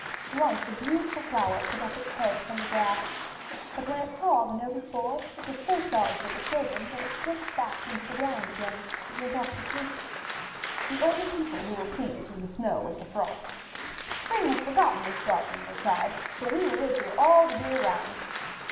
Once a beautiful flower put its head out from the grass, but when it saw the notice board it was so sorry for the children that it slipped back into the ground again, and went off to sleep. The only people who were pleased were the Snow and the Frost. ''Spring has forgotten this garden,'' they cried, "so we will live here all the year round."